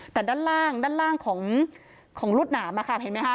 แต่ด้านล่างด้านล่างของรวดหนามค่ะเห็นไหมคะ